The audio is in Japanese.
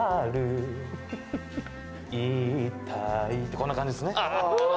こんな感じですね。